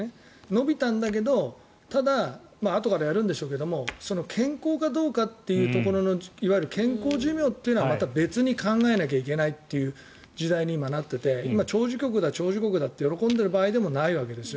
延びたんだけどただ、あとからやるんでしょうが健康がどうかというところのいわゆる健康寿命はまた別に考えなきゃいけないという時代になっていて長寿国だって喜んでいる場合でもないんです。